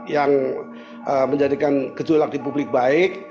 yang menjadikan gejolak di publik baik